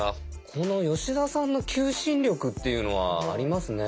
この吉田さんの求心力っていうのはありますね。